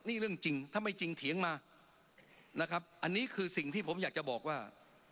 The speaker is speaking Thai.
นี่เรื่องจริงถ้าไม่จริงเถียงมานะครับอันนี้คือสิ่งที่ผมอยากจะบอกว่า